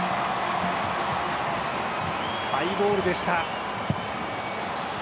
ハイボールでした。